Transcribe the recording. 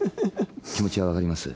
気持ちは分かります。